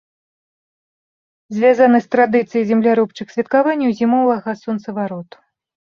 Звязаны з традыцыяй земляробчых святкаванняў зімовага сонцавароту.